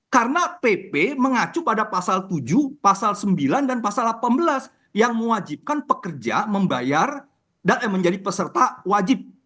karena pp mengacu pada pasal tujuh pasal sembilan dan pasal delapan belas yang mewajibkan pekerja membayar dan menjadi peserta wajib